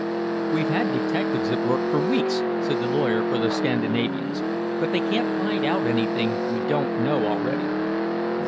"We've had detectives at work for weeks," said the lawyer for the Scandinavians; "but they can't find out anything we don't know already."